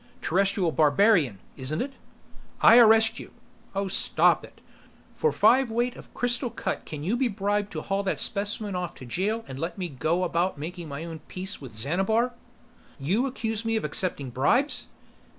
"Terrestrial Barbarian, isn't it?" "I arrest you " "Oh, stop it. For fiveweight of crystal cut can you be bribed to haul that specimen off to jail and let me go about making my own Peace with Xanabar?" "You accuse me of accepting bribes?"